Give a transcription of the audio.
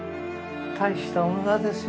大した女ですよ